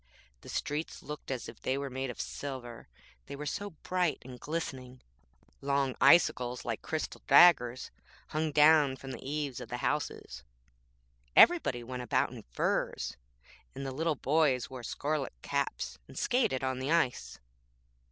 The streets looked as if they were made of silver, they were so bright and glistening; long icicles like crystal daggers hung down from the eaves of the houses, everybody went about in furs, and the little boys wore scarlet caps and skated on the ice.